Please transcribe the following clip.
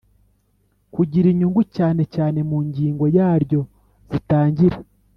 Kugira inyungu cyane cyane mu ngingo zaryo zitangira